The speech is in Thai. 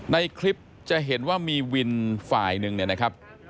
ในคลิปจะเห็นว่ามีวินฝ่ายหนึ่งเนี่ยนะครับ